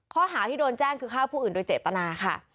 ข้อหาที่โดนแจ้งคือฆ่าผู้อื่นโดยเจตนาค่ะ